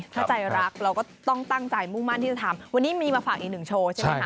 ถ้าใจรักเราก็ต้องตั้งใจมุ่งมั่นที่จะทำวันนี้มีมาฝากอีกหนึ่งโชว์ใช่ไหมคะ